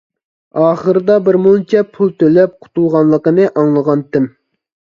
ئاخىرىدا بىرمۇنچە پۇل تۆلەپ قۇتۇلغانلىقىنى ئاڭلىغانتىم.